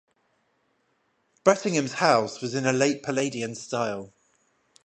Brettingham's house was in a late Palladian style.